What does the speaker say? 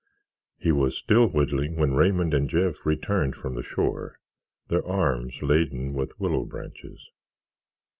He was still whittling when Raymond and Jeff returned from the shore, their arms laden with willow branches.